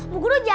bu guru jahat